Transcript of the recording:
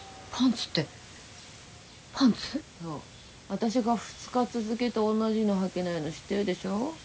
私が２日続けて同じのはけないの知ってるでしょ。